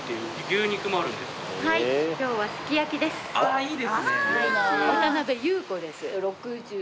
はい。